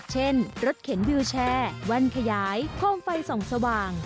เช่นรถเข็นวิวแชร์แว่นขยายโคมไฟส่องสว่าง